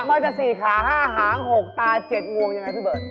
มันจะ๔ขา๕หาง๖ตา๗งวงยังไงพี่เบิร์ต